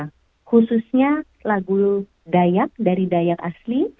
khususnya lagu dayak dari dayak asli